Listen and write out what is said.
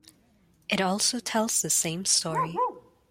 It also tells the same story.